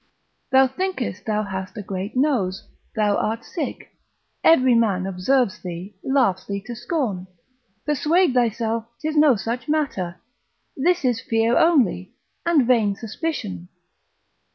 Thou thinkest thou hast a great nose, thou art sick, every man observes thee, laughs thee to scorn; persuade thyself 'tis no such matter: this is fear only, and vain suspicion.